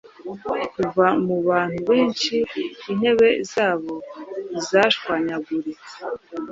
Kuva mubantu benshi intebe zabo zashwanyaguritse